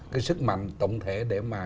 cái sức mạnh tổng thể để mà